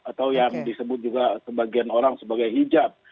atau yang disebut juga sebagian orang sebagai hijab